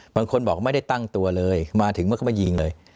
บางคนบอกไม่ได้ตั้งตัวเลยมาถึงมันก็มายิงเลย